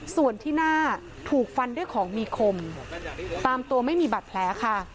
ส่วนที่หน้าถูกฟันด้วยของมีคมตามตัวไม่มีบาดแผลค่ะ